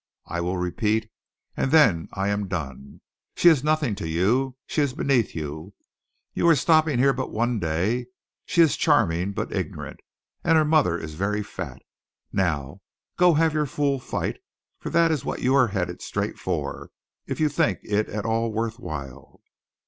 I will repeat and then I am done she is nothing to you, she is beneath you, you are stopping here but one day, she is charming but ignorant and her mother is very fat. Now go have your fool fight for that is what you are headed straight for if you think it at all worth while."